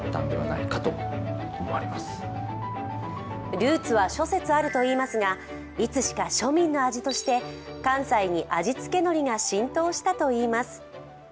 ルーツは諸説あるといいますがいつしか庶民の味として関西に味付けのりが浸透したといいます。